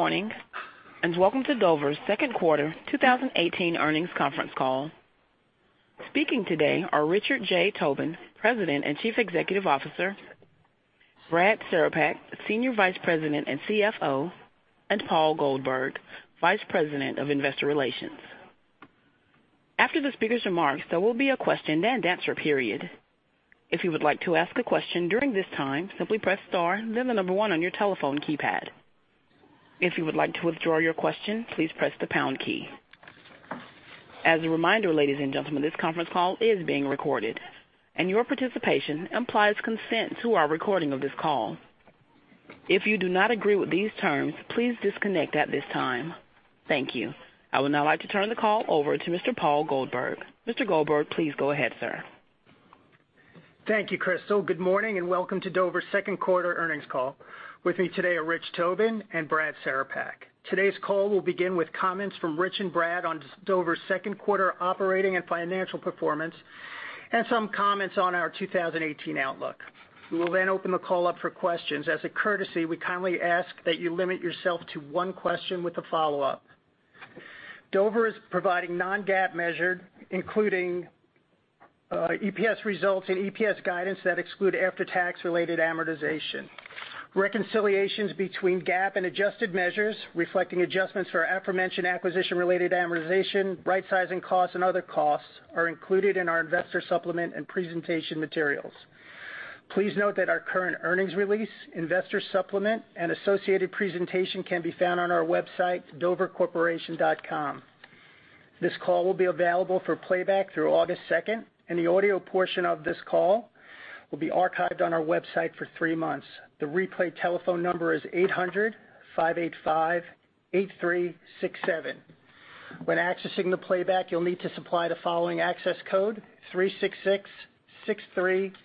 Good morning, and welcome to Dover's second quarter 2018 earnings conference call. Speaking today are Richard J. Tobin, President and Chief Executive Officer, Brad Cerepak, Senior Vice President and CFO, and Paul Goldberg, Vice President of Investor Relations. After the speakers' remarks, there will be a question and answer period. If you would like to ask a question during this time, simply press star then the number 1 on your telephone keypad. If you would like to withdraw your question, please press the pound key. As a reminder, ladies and gentlemen, this conference call is being recorded, and your participation implies consent to our recording of this call. If you do not agree with these terms, please disconnect at this time. Thank you. I would now like to turn the call over to Mr. Paul Goldberg. Mr. Goldberg, please go ahead, sir. Thank you, Crystal. Good morning and welcome to Dover's second quarter earnings call. With me today are Rich Tobin and Brad Cerepak. Today's call will begin with comments from Rich and Brad on Dover's second quarter operating and financial performance and some comments on our 2018 outlook. We will open the call up for questions. As a courtesy, we kindly ask that you limit yourself to one question with a follow-up. Dover is providing non-GAAP measure, including EPS results and EPS guidance that exclude after-tax related amortization. Reconciliations between GAAP and adjusted measures reflecting adjustments for aforementioned acquisition-related amortization, rightsizing costs, and other costs are included in our investor supplement and presentation materials. Please note that our current earnings release, investor supplement, and associated presentation can be found on our website, dovercorporation.com. This call will be available for playback through August second, and the audio portion of this call will be archived on our website for three months. The replay telephone number is 800-585-8367. When accessing the playback, you'll need to supply the following access code, 3666317.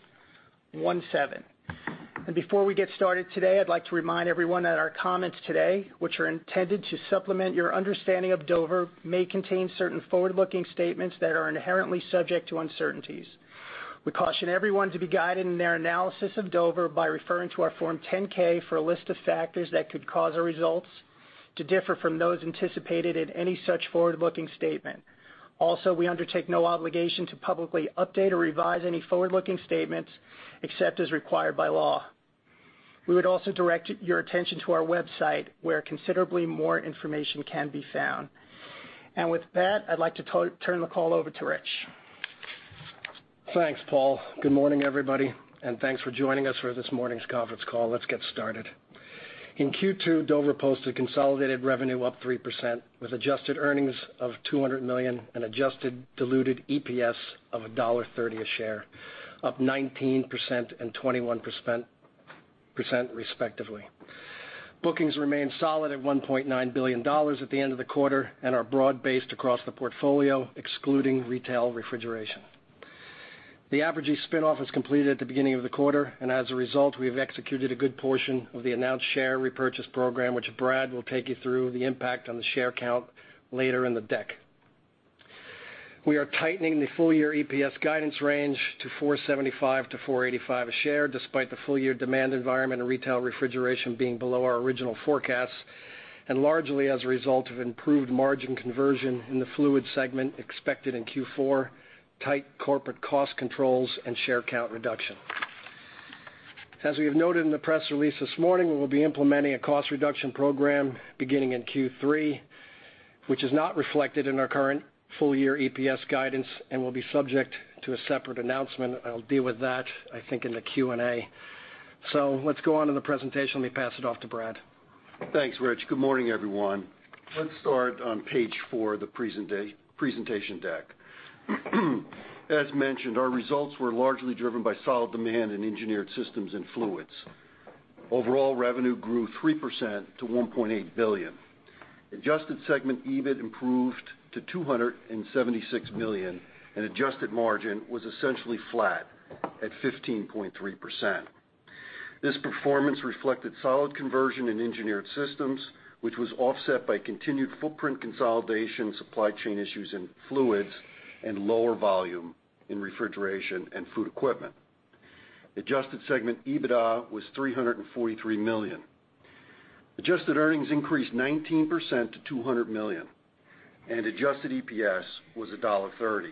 Before we get started today, I'd like to remind everyone that our comments today, which are intended to supplement your understanding of Dover, may contain certain forward-looking statements that are inherently subject to uncertainties. We caution everyone to be guided in their analysis of Dover by referring to our Form 10-K for a list of factors that could cause our results to differ from those anticipated in any such forward-looking statement. We undertake no obligation to publicly update or revise any forward-looking statements, except as required by law. We would also direct your attention to our website, where considerably more information can be found. With that, I'd like to turn the call over to Rich. Thanks, Paul. Good morning, everybody, and thanks for joining us for this morning's conference call. Let's get started. In Q2, Dover posted consolidated revenue up 3% with adjusted earnings of $200 million and adjusted diluted EPS of $1.30 a share, up 19% and 21%, respectively. Bookings remained solid at $1.9 billion at the end of the quarter and are broad-based across the portfolio, excluding retail refrigeration. The Apergy spin-off was completed at the beginning of the quarter, as a result, we have executed a good portion of the announced share repurchase program, which Brad will take you through the impact on the share count later in the deck. We are tightening the full-year EPS guidance range to $4.75 to $4.85 a share, despite the full-year demand environment and retail refrigeration being below our original forecasts, largely as a result of improved margin conversion in the Fluids segment expected in Q4, tight corporate cost controls, and share count reduction. As we have noted in the press release this morning, we will be implementing a cost reduction program beginning in Q3, which is not reflected in our current full-year EPS guidance and will be subject to a separate announcement. I'll deal with that, I think, in the Q&A. Let's go on to the presentation. Let me pass it off to Brad. Thanks, Rich. Good morning, everyone. Let's start on page four of the presentation deck. As mentioned, our results were largely driven by solid demand in Engineered Systems and Fluids. Overall revenue grew 3% to $1.8 billion. Adjusted segment EBIT improved to $276 million, and adjusted margin was essentially flat at 15.3%. This performance reflected solid conversion in Engineered Systems, which was offset by continued footprint consolidation, supply chain issues in Fluids, and lower volume in Refrigeration & Food Equipment. Adjusted segment EBITDA was $343 million. Adjusted earnings increased 19% to $200 million, and adjusted EPS was $1.30.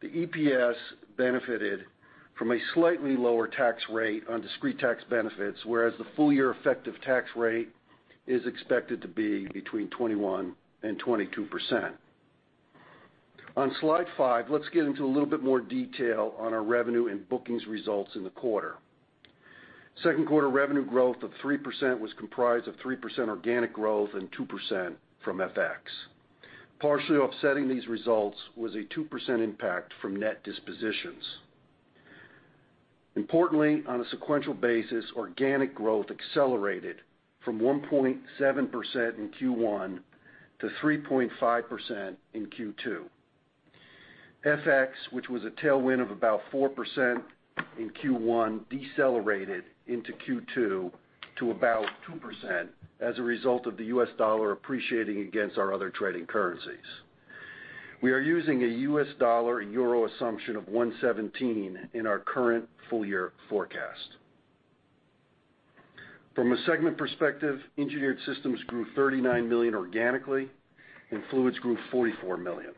The EPS benefited from a slightly lower tax rate on discrete tax benefits, whereas the full-year effective tax rate is expected to be between 21% and 22%. On slide five, let's get into a little bit more detail on our revenue and bookings results in the quarter. Second quarter revenue growth of 3% was comprised of 3% organic growth and 2% from FX. Partially offsetting these results was a 2% impact from net dispositions. Importantly, on a sequential basis, organic growth accelerated from 1.7% in Q1 to 3.5% in Q2. FX, which was a tailwind of about 4% in Q1, decelerated into Q2 to about 2% as a result of the US dollar appreciating against our other trading currencies. We are using a US dollar euro assumption of 117 in our current full year forecast. From a segment perspective, Engineered Systems grew $39 million organically, and Fluids grew $44 million.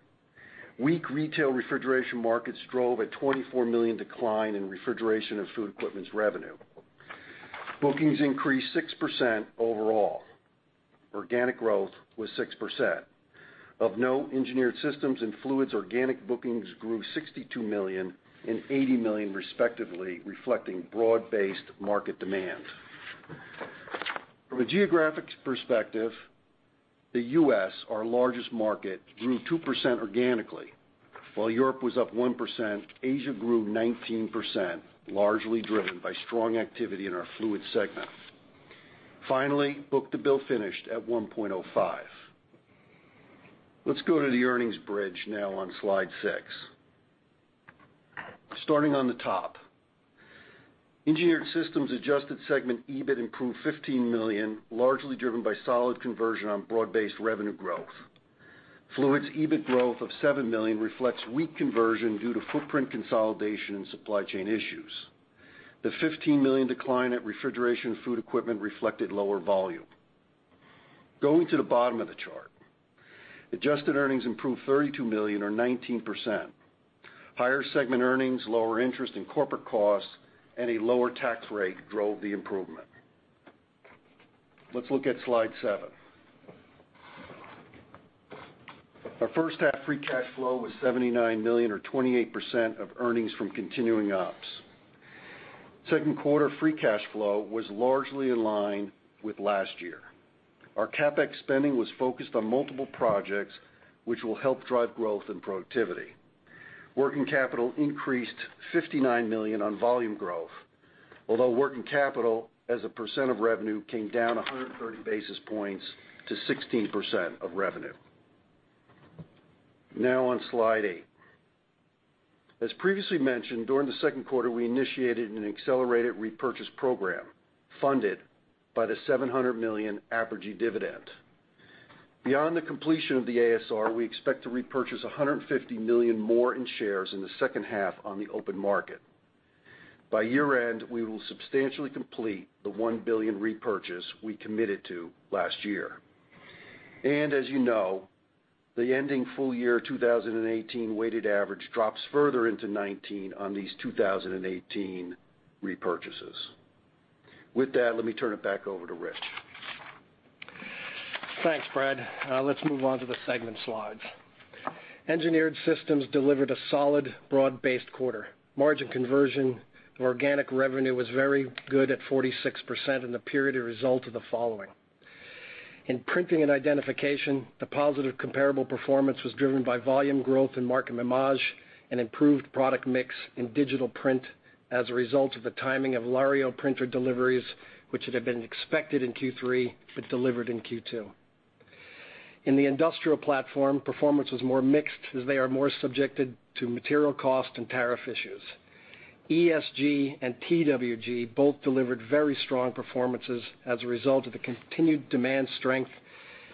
Weak retail refrigeration markets drove a $24 million decline in Refrigeration & Food Equipment's revenue. Bookings increased 6% overall. Organic growth was 6%. Of note, Engineered Systems and Fluids organic bookings grew $62 million and $80 million respectively, reflecting broad-based market demand. From a geographic perspective, the U.S., our largest market, grew 2% organically. While Europe was up 1%, Asia grew 19%, largely driven by strong activity in our Fluids segment. Finally, book-to-bill finished at 1.05. Let's go to the earnings bridge now on slide six. Starting on the top. Engineered Systems adjusted segment EBIT improved $15 million, largely driven by solid conversion on broad-based revenue growth. Fluids EBIT growth of $7 million reflects weak conversion due to footprint consolidation and supply chain issues. The $15 million decline at Refrigeration & Food Equipment reflected lower volume. Going to the bottom of the chart. Adjusted earnings improved $32 million or 19%. Higher segment earnings, lower interest in corporate costs, and a lower tax rate drove the improvement. Let's look at slide seven. Our first half free cash flow was $79 million or 28% of earnings from continuing ops. Second quarter free cash flow was largely in line with last year. Our CapEx spending was focused on multiple projects, which will help drive growth and productivity. Working capital increased $59 million on volume growth, although working capital as a percent of revenue came down 130 basis points to 16% of revenue. Now on slide eight. As previously mentioned, during the second quarter, we initiated an accelerated repurchase program funded by the $700 million Apergy dividend. Beyond the completion of the ASR, we expect to repurchase $150 million more in shares in the second half on the open market. By year-end, we will substantially complete the $1 billion repurchase we committed to last year. As you know, the ending full year 2018 weighted average drops further into 2019 on these 2018 repurchases. With that, let me turn it back over to Rich. Thanks, Brad. Let's move on to the segment slides. Engineered Systems delivered a solid broad-based quarter. Margin conversion of organic revenue was very good at 46% in the period, a result of the following. In Imaging & Identification, the positive comparable performance was driven by volume growth in Markem-Imaje and improved product mix in digital print as a result of the timing of LaRio printer deliveries, which had been expected in Q3 but delivered in Q2. In the Industrial platform, performance was more mixed as they are more subjected to material cost and tariff issues. ESG and TWG both delivered very strong performances as a result of the continued demand strength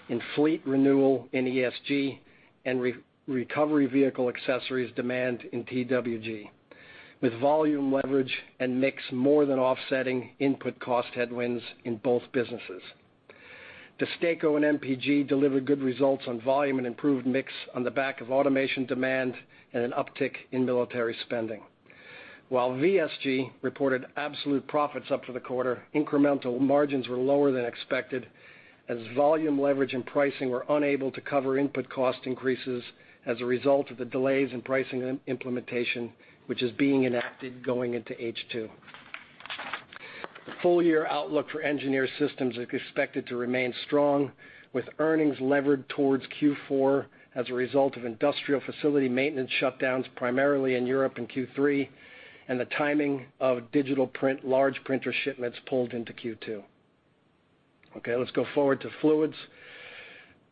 in fleet renewal in ESG and recovery vehicle accessories demand in TWG. With volume leverage and mix more than offsetting input cost headwinds in both businesses. DESTACO and MPG delivered good results on volume and improved mix on the back of automation demand and an uptick in military spending. While VSG reported absolute profits up for the quarter, incremental margins were lower than expected as volume leverage and pricing were unable to cover input cost increases as a result of the delays in pricing implementation, which is being enacted going into H2. The full year outlook for Engineered Systems is expected to remain strong, with earnings levered towards Q4 as a result of industrial facility maintenance shutdowns, primarily in Europe in Q3, and the timing of digital print large printer shipments pulled into Q2. Let's go forward to Fluids.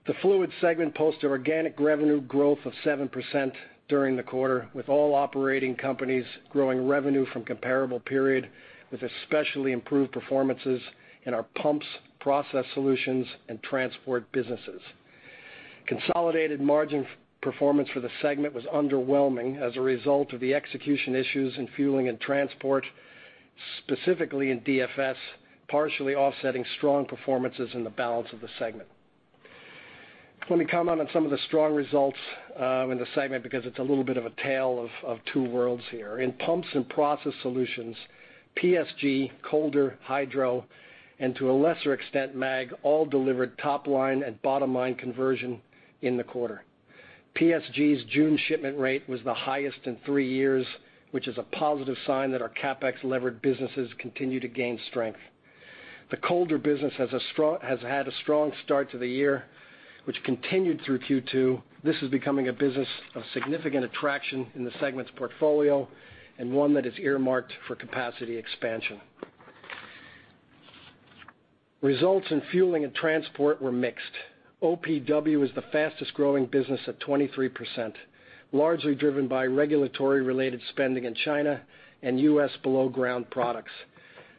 The Fluids segment posted organic revenue growth of 7% during the quarter, with all operating companies growing revenue from comparable period, with especially improved performances in our pumps, process solutions, and transport businesses. Consolidated margin performance for the segment was underwhelming as a result of the execution issues in fueling and transport, specifically in DFS, partially offsetting strong performances in the balance of the segment. Let me comment on some of the strong results in the segment because it's a little bit of a tale of two worlds here. In pumps and process solutions, PSG, Colder, Hydro, and to a lesser extent, Maag, all delivered top line and bottom line conversion in the quarter. PSG's June shipment rate was the highest in three years, which is a positive sign that our CapEx-levered businesses continue to gain strength. The Colder business has had a strong start to the year, which continued through Q2. This is becoming a business of significant attraction in the segment's portfolio and one that is earmarked for capacity expansion. Results in fueling and transport were mixed. OPW was the fastest-growing business at 23%, largely driven by regulatory-related spending in China and U.S. below-ground products.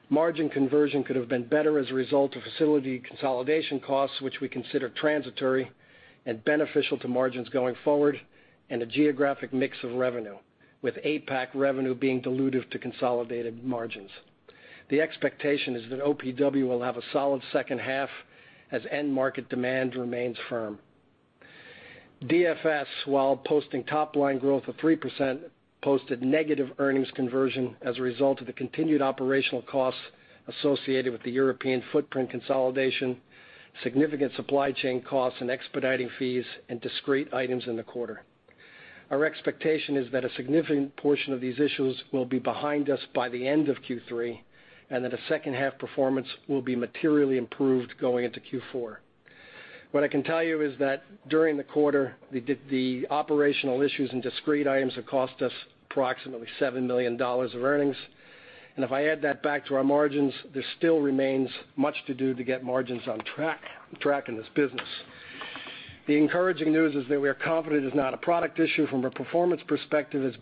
Margin conversion could have been better as a result of facility consolidation costs, which we consider transitory and beneficial to margins going forward, and a geographic mix of revenue, with APAC revenue being dilutive to consolidated margins. The expectation is that OPW will have a solid second half as end market demand remains firm. DFS, while posting top-line growth of 3%, posted negative earnings conversion as a result of the continued operational costs associated with the European footprint consolidation, significant supply chain costs and expediting fees, and discrete items in the quarter. Our expectation is that a significant portion of these issues will be behind us by the end of Q3, and that the second half performance will be materially improved going into Q4. What I can tell you is that during the quarter, the operational issues and discrete items have cost us approximately $7 million of earnings. If I add that back to our margins, there still remains much to do to get margins on track in this business. The encouraging news is that we are confident it's not a product issue from a performance perspective as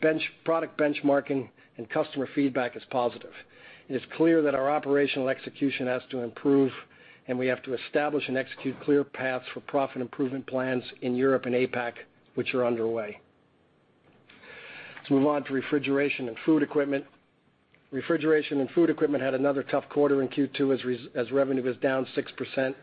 product benchmarking and customer feedback is positive. It is clear that our operational execution has to improve, and we have to establish and execute clear paths for profit improvement plans in Europe and APAC, which are underway. Let's move on to Refrigeration & Food Equipment. Refrigeration & Food Equipment had another tough quarter in Q2, as revenue was down 6%,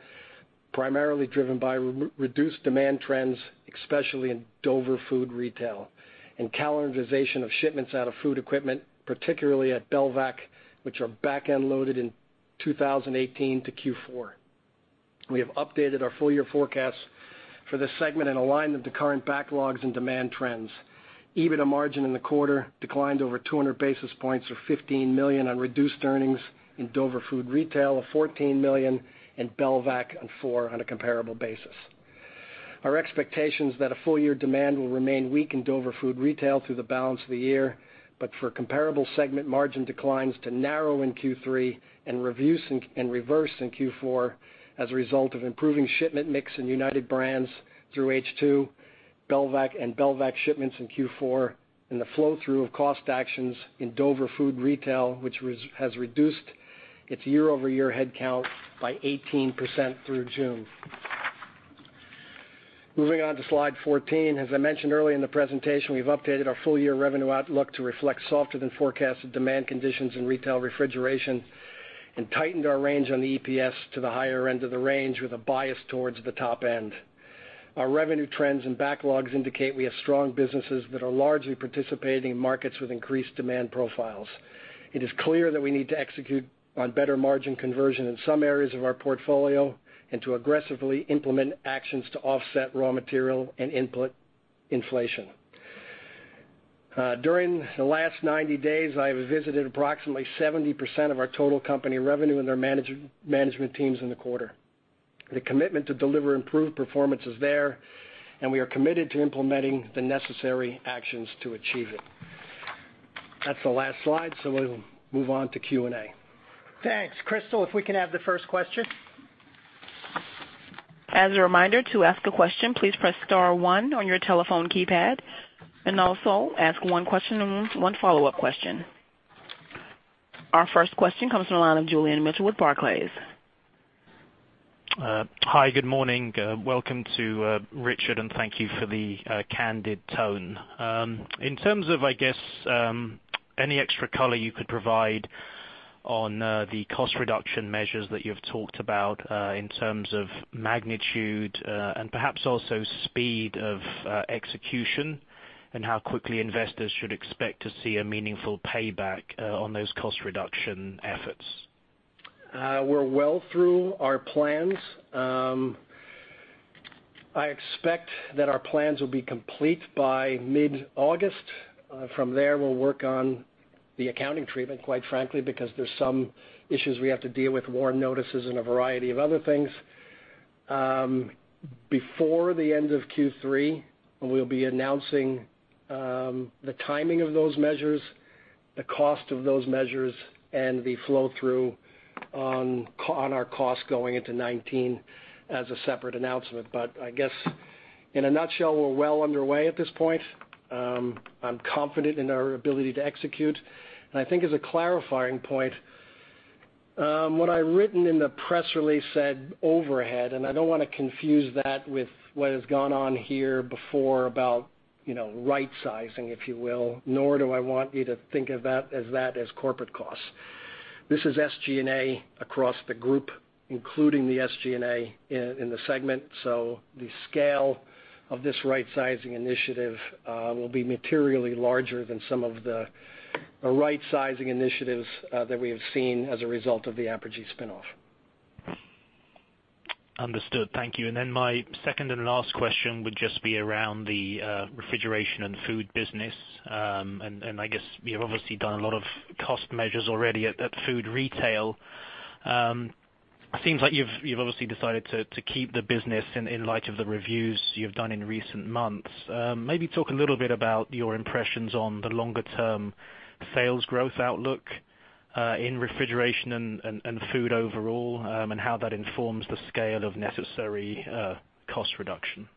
primarily driven by reduced demand trends, especially in Dover Food Retail and calendarization of shipments out of food equipment, particularly at Belvac, which are back-end loaded in 2018 to Q4. We have updated our full-year forecast for this segment and aligned them to current backlogs and demand trends. EBITA margin in the quarter declined over 200 basis points of $15 million on reduced earnings in Dover Food Retail of $14 million and Belvac and $4 on a comparable basis. Our expectation is that a full-year demand will remain weak in Dover Food Retail through the balance of the year, but for comparable segment margin declines to narrow in Q3 and reverse in Q4 as a result of improving shipment mix in Unified Brands through H2, Belvac shipments in Q4, and the flow-through of cost actions in Dover Food Retail, which has reduced its year-over-year headcount by 18% through June. Moving on to slide 14. As I mentioned earlier in the presentation, we've updated our full-year revenue outlook to reflect softer than forecasted demand conditions in retail refrigeration and tightened our range on the EPS to the higher end of the range with a bias towards the top end. Our revenue trends and backlogs indicate we have strong businesses that are largely participating in markets with increased demand profiles. It is clear that we need to execute on better margin conversion in some areas of our portfolio and to aggressively implement actions to offset raw material and input inflation. During the last 90 days, I have visited approximately 70% of our total company revenue and their management teams in the quarter. The commitment to deliver improved performance is there, and we are committed to implementing the necessary actions to achieve it. That's the last slide, so we'll move on to Q&A. Thanks. Crystal, if we can have the first question. As a reminder, to ask a question, please press star one on your telephone keypad, also ask one question and one follow-up question. Our first question comes from the line of Julian Mitchell with Barclays. Hi. Good morning. Welcome to Richard, thank you for the candid tone. In terms of any extra color you could provide on the cost reduction measures that you've talked about, in terms of magnitude and perhaps also speed of execution, and how quickly investors should expect to see a meaningful payback on those cost reduction efforts. We're well through our plans. I expect that our plans will be complete by mid-August. From there, we'll work on the accounting treatment, quite frankly, because there's some issues we have to deal with, warn notices and a variety of other things. Before the end of Q3, we'll be announcing the timing of those measures, the cost of those measures, and the flow-through on our costs going into 2019 as a separate announcement. I guess in a nutshell, we're well underway at this point. I'm confident in our ability to execute. I think as a clarifying point, what I'd written in the press release said overhead, and I don't want to confuse that with what has gone on here before about rightsizing, if you will, nor do I want you to think of that as corporate costs. This is SG&A across the group, including the SG&A in the segment. The scale of this rightsizing initiative will be materially larger than some of the rightsizing initiatives that we have seen as a result of the Apergy spin-off. Understood. Thank you. Then my second and last question would just be around the refrigeration and food business. I guess you've obviously done a lot of cost measures already at food retail. It seems like you've obviously decided to keep the business in light of the reviews you've done in recent months. Maybe talk a little bit about your impressions on the longer-term sales growth outlook in refrigeration and food overall, and how that informs the scale of necessary cost reduction.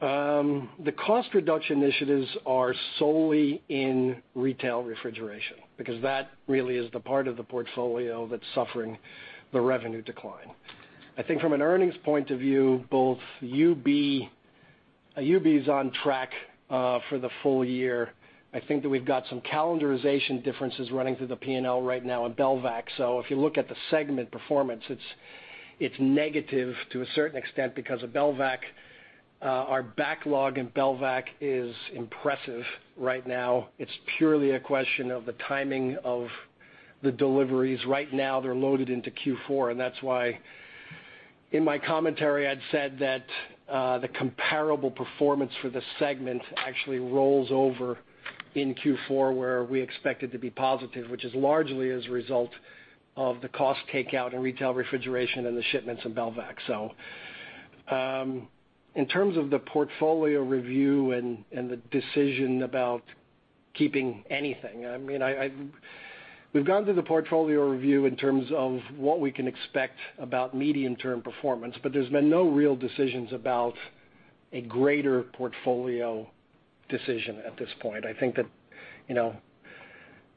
The cost reduction initiatives are solely in retail refrigeration, because that really is the part of the portfolio that's suffering the revenue decline. I think from an earnings point of view, both UB is on track for the full year. I think that we've got some calendarization differences running through the P&L right now in Belvac. If you look at the segment performance, it's negative to a certain extent because of Belvac. Our backlog in Belvac is impressive right now. It's purely a question of the timing of the deliveries. Right now they're loaded into Q4, and that's why in my commentary, I'd said that the comparable performance for the segment actually rolls over in Q4, where we expect it to be positive, which is largely as a result of the cost takeout in retail refrigeration and the shipments in Belvac. In terms of the portfolio review and the decision about keeping anything, we've gone through the portfolio review in terms of what we can expect about medium-term performance, but there's been no real decisions about a greater portfolio decision at this point. I think that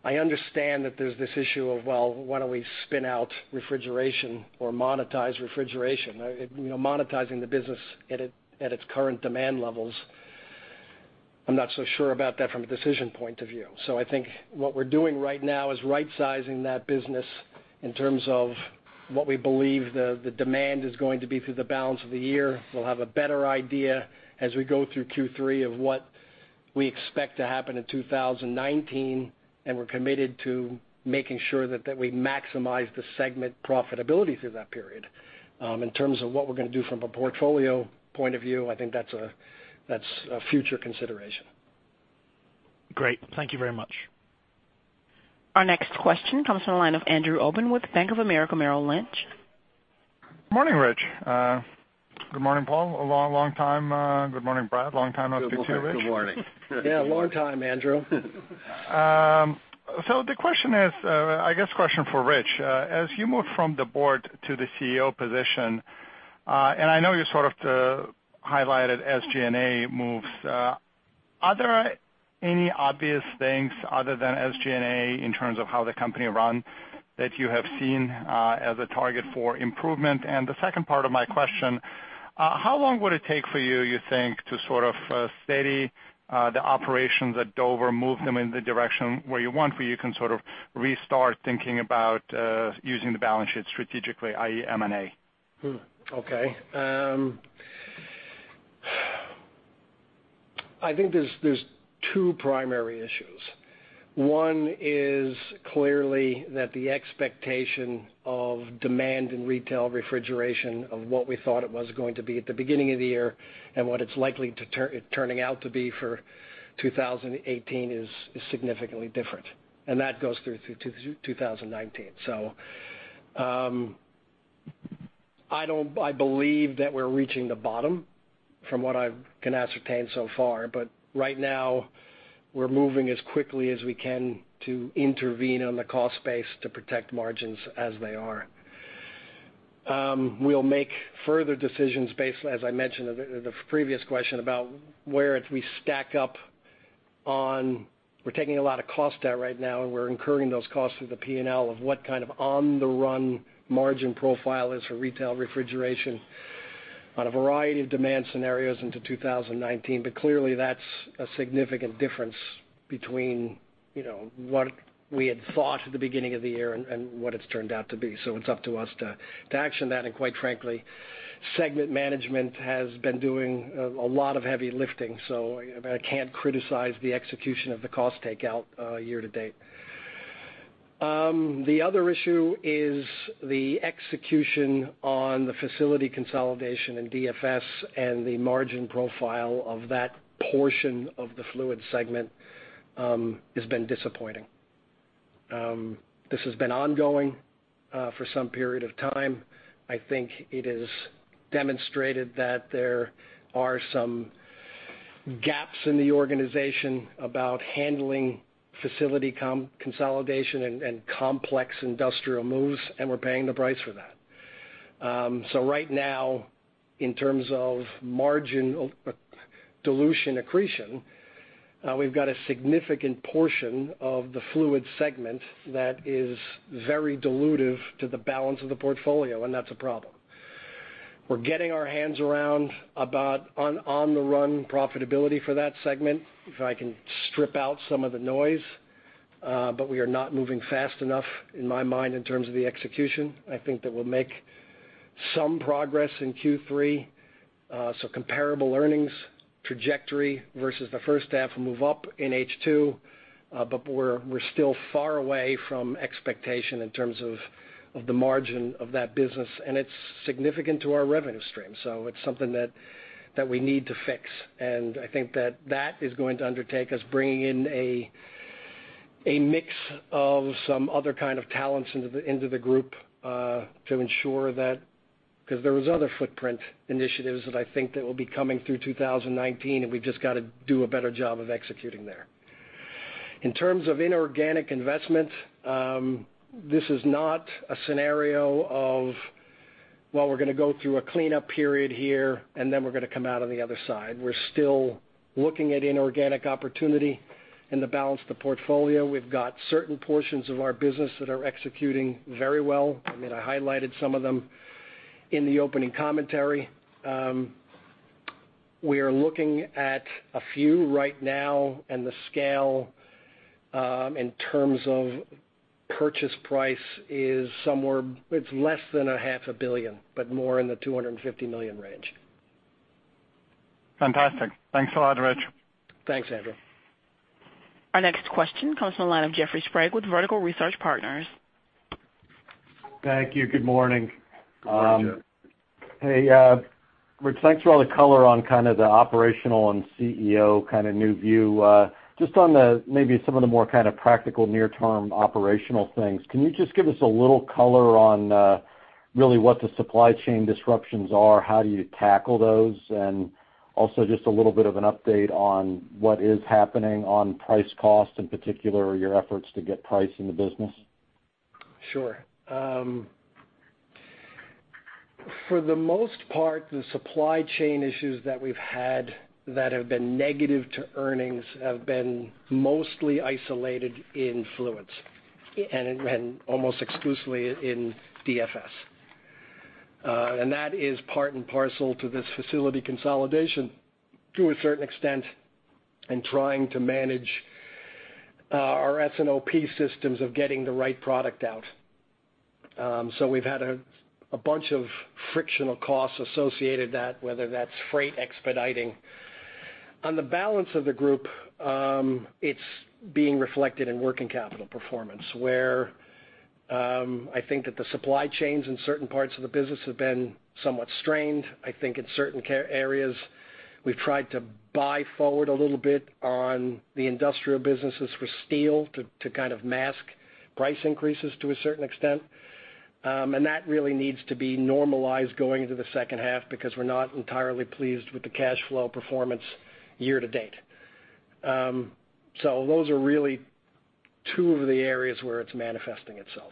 I understand that there's this issue of, well, why don't we spin out refrigeration or monetize refrigeration? Monetizing the business at its current demand levels, I'm not so sure about that from a decision point of view. I think what we're doing right now is right-sizing that business in terms of what we believe the demand is going to be through the balance of the year. We'll have a better idea as we go through Q3 of what we expect to happen in 2019, and we're committed to making sure that we maximize the segment profitability through that period. In terms of what we're going to do from a portfolio point of view, I think that's a future consideration. Great. Thank you very much. Our next question comes from the line of Andrew Obin with Bank of America Merrill Lynch. Morning, Rich. Good morning, Paul. A long time. Good morning, Brad. Long time no see you, Rich. Good morning. Yeah, long time, Andrew. The question is, I guess, a question for Rich. As you move from the board to the CEO position, I know you sort of highlighted SG&A moves, are there any obvious things other than SG&A in terms of how the company run that you have seen as a target for improvement? The second part of my question, how long would it take for you think, to sort of steady the operations at Dover, move them in the direction where you want, where you can sort of restart thinking about using the balance sheet strategically, i.e., M&A? Okay. I think there's two primary issues. One is clearly that the expectation of demand in retail refrigeration of what we thought it was going to be at the beginning of the year and what it's likely turning out to be for 2018 is significantly different. That goes through 2019. I believe that we're reaching the bottom from what I can ascertain so far. Right now we're moving as quickly as we can to intervene on the cost base to protect margins as they are. We'll make further decisions based, as I mentioned in the previous question, about where we stack up. We're taking a lot of cost out right now, and we're incurring those costs through the P&L of what kind of on-the-run margin profile is for retail refrigeration on a variety of demand scenarios into 2019. Clearly, that's a significant difference between what we had thought at the beginning of the year and what it's turned out to be. It's up to us to action that. Quite frankly, segment management has been doing a lot of heavy lifting, so I can't criticize the execution of the cost takeout year to date. The other issue is the execution on the facility consolidation in DFS and the margin profile of that portion of the fluid segment has been disappointing. This has been ongoing for some period of time. I think it has demonstrated that there are some gaps in the organization about handling facility consolidation and complex industrial moves, and we're paying the price for that. Right now, in terms of margin dilution accretion, we've got a significant portion of the fluid segment that is very dilutive to the balance of the portfolio, and that's a problem. We're getting our hands around about on the run profitability for that segment, if I can strip out some of the noise. We are not moving fast enough in my mind, in terms of the execution. I think that we'll make some progress in Q3. Comparable earnings trajectory versus the first half will move up in H2. We're still far away from expectation in terms of the margin of that business, and it's significant to our revenue stream. It's something that we need to fix. I think that that is going to undertake us bringing in a mix of some other kind of talents into the group to ensure that, because there was other footprint initiatives that I think that will be coming through 2019, and we've just got to do a better job of executing there. In terms of inorganic investment, this is not a scenario of, well, we're going to go through a cleanup period here, and then we're going to come out on the other side. We're still looking at inorganic opportunity and to balance the portfolio. We've got certain portions of our business that are executing very well. I highlighted some of them in the opening commentary. We are looking at a few right now, and the scale in terms of purchase price is less than a half a billion, but more in the $250 million range. Fantastic. Thanks a lot, Rich. Thanks, Andrew. Our next question comes from the line of Jeffrey Sprague with Vertical Research Partners. Thank you. Good morning. Good morning, Jeff. Hey, Rich, thanks for all the color on kind of the operational and CEO kind of new view. Just on maybe some of the more kind of practical near-term operational things, can you just give us a little color on really what the supply chain disruptions are? How do you tackle those? Also just a little of an update on what is happening on price cost in particular, or your efforts to get price in the business. Sure. For the most part, the supply chain issues that we've had that have been negative to earnings have been mostly isolated in Fluids and almost exclusively in DFS. That is part and parcel to this facility consolidation to a certain extent in trying to manage our S&OP systems of getting the right product out. We've had a bunch of frictional costs associated with that, whether that's freight expediting. On the balance of the group, it's being reflected in working capital performance, where I think that the supply chains in certain parts of the business have been somewhat strained. I think in certain areas, we've tried to buy forward a little bit on the industrial businesses for steel to kind of mask price increases to a certain extent. That really needs to be normalized going into the second half because we're not entirely pleased with the cash flow performance year to date. Those are really two of the areas where it's manifesting itself.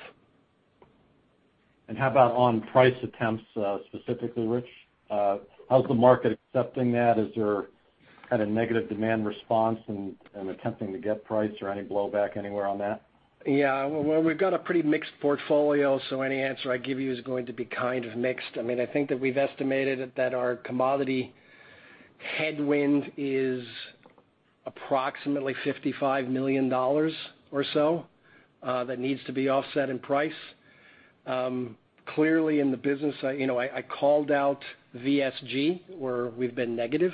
How about on price attempts, specifically, Rich? How's the market accepting that? Is there kind of negative demand response in attempting to get price or any blowback anywhere on that? Well, we've got a pretty mixed portfolio, so any answer I give you is going to be kind of mixed. I think that we've estimated that our commodity headwind is approximately $55 million or so that needs to be offset in price. Clearly in the business, I called out VSG, where we've been negative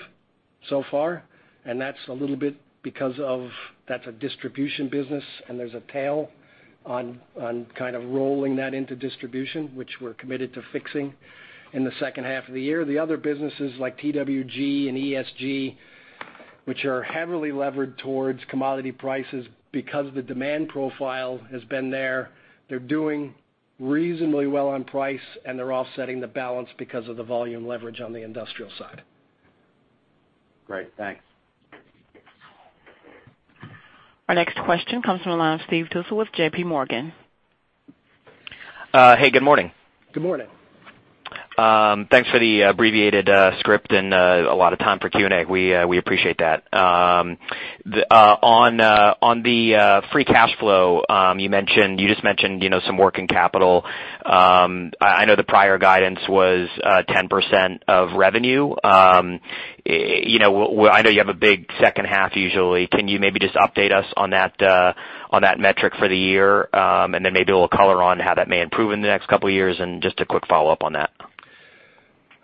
so far, and that's a little bit because that's a distribution business, and there's a tail on kind of rolling that into distribution, which we're committed to fixing in the second half of the year. The other businesses like TWG and ESG, which are heavily levered towards commodity prices because the demand profile has been there, they're doing reasonably well on price, and they're offsetting the balance because of the volume leverage on the industrial side. Great. Thanks. Our next question comes from the line of Steve Tusa with J.P. Morgan. Hey, good morning. Good morning. Thanks for the abbreviated script and a lot of time for Q&A. We appreciate that. On the free cash flow, you just mentioned some working capital. I know the prior guidance was 10% of revenue. I know you have a big second half usually. Can you maybe just update us on that metric for the year? Then maybe a little color on how that may improve in the next couple of years, and just a quick follow-up on that.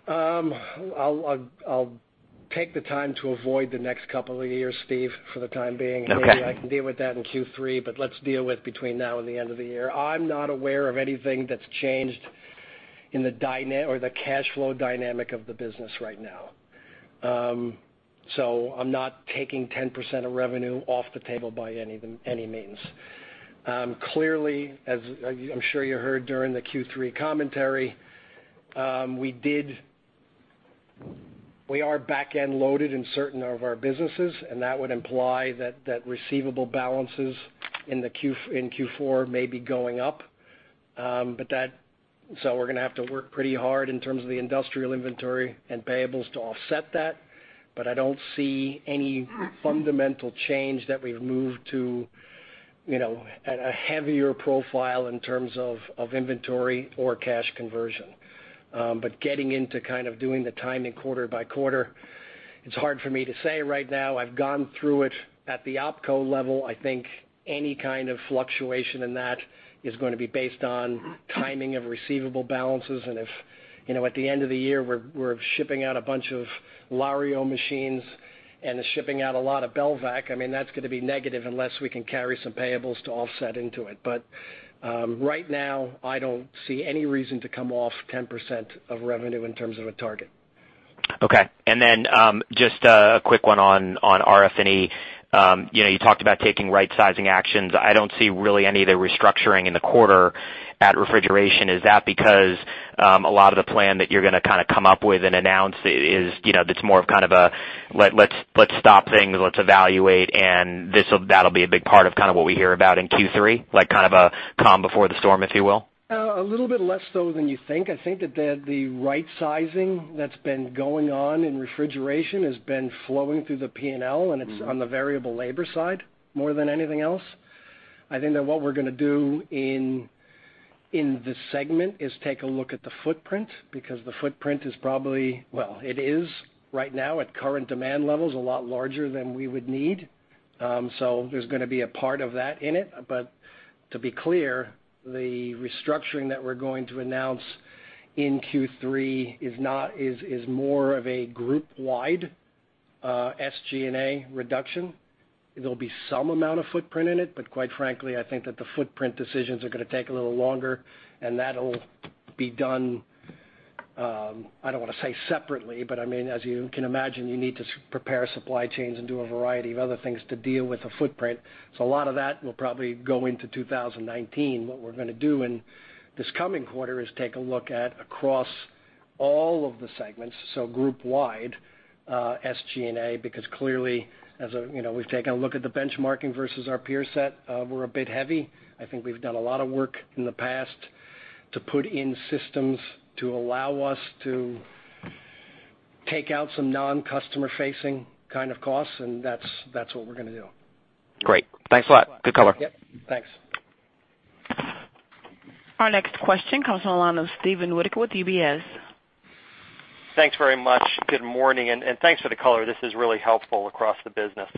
I'll take the time to avoid the next couple of years, Steve, for the time being. Okay. Maybe I can deal with that in Q3, let's deal with between now and the end of the year. I'm not aware of anything that's changed in the cash flow dynamic of the business right now. I'm not taking 10% of revenue off the table by any means. Clearly, as I'm sure you heard during the Q3 commentary, we are back-end loaded in certain of our businesses, and that would imply that receivable balances in Q4 may be going up. We're going to have to work pretty hard in terms of the industrial inventory and payables to offset that, but I don't see any fundamental change that we've moved to a heavier profile in terms of inventory or cash conversion. Getting into kind of doing the timing quarter by quarter, it's hard for me to say right now. I've gone through it at the opco level. I think any kind of fluctuation in that is going to be based on timing of receivable balances, and if at the end of the year, we're shipping out a bunch of LaRio machines and shipping out a lot of Belvac, that's going to be negative unless we can carry some payables to offset into it. Right now, I don't see any reason to come off 10% of revenue in terms of a target. Okay. Just a quick one on RF&E. You talked about taking right-sizing actions. I don't see really any of the restructuring in the quarter at refrigeration. Is that because a lot of the plan that you're going to kind of come up with and announce is, that's more of kind of a, let's stop things, let's evaluate, and that'll be a big part of kind of what we hear about in Q3, like kind of a calm before the storm, if you will? A little bit less so than you think. I think that the right-sizing that's been going on in refrigeration has been flowing through the P&L, and it's on the variable labor side more than anything else. I think that what we're going to do in this segment is take a look at the footprint, because the footprint is probably, well, it is right now at current demand levels, a lot larger than we would need. There's going to be a part of that in it. To be clear, the restructuring that we're going to announce in Q3 is more of a group-wide SG&A reduction. There'll be some amount of footprint in it, but quite frankly, I think that the footprint decisions are going to take a little longer, and that'll be done, I don't want to say separately, but as you can imagine, you need to prepare supply chains and do a variety of other things to deal with the footprint. A lot of that will probably go into 2019. What we're going to do in this coming quarter is take a look at across all of the segments, group-wide SG&A, because clearly, as we've taken a look at the benchmarking versus our peer set, we're a bit heavy. I think we've done a lot of work in the past to put in systems to allow us to take out some non-customer facing kind of costs, and that's what we're going to do. Great. Thanks a lot. Good color. Yep. Thanks. Our next question comes on the line of Steven Winoker with UBS. Thanks very much. Good morning, and thanks for the color. This is really helpful across the business.